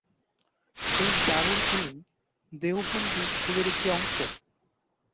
এই দারুল উলূম দেওবন্দী স্কুলের একটি অংশ।